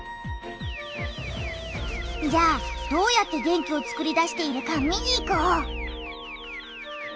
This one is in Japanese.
じゃあどうやって電気をつくり出しているか見に行こう。